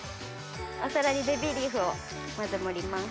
お皿にベビーリーフをまず盛ります。